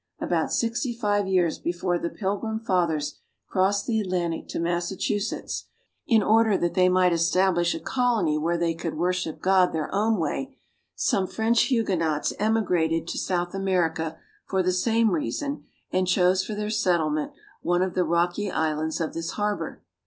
About sixty five years before the Pilgrim fathers crossed the Atlantic to Massachusetts, in 2 70 BRAZIL. order that they might estabHsh a colony where they could worship God their own way, some French Huguenots emi grated to South America, for the same reason, and chose for their settlement one of the rocky islands of this harbor.